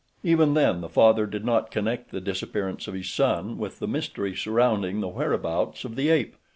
Even then the father did not connect the disappearance of his son with the mystery surrounding the whereabouts of the ape.